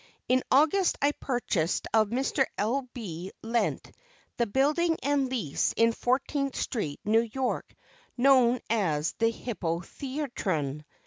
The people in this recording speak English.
In August I purchased of Mr. L. B. Lent the building and lease in Fourteenth street, New York, known as the Hippotheatron.